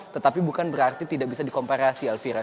tetapi bukan berarti tidak bisa dikomparasi elvira